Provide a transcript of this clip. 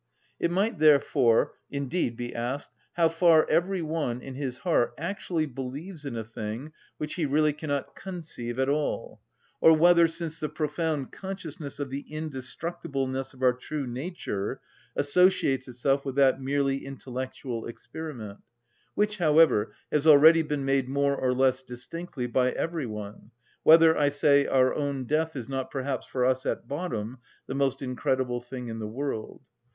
It might therefore, indeed, be asked, how far every one, in his heart, actually believes in a thing which he really cannot conceive at all; or whether, since the profound consciousness of the indestructibleness of our true nature associates itself with that merely intellectual experiment, which, however, has already been made more or less distinctly by every one, whether, I say, our own death is not perhaps for us at bottom the most incredible thing in the world.